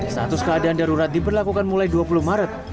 status keadaan darurat diberlakukan mulai dua puluh maret